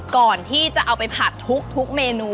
ก่อนที่จะเอาไปผัดทุกเมนู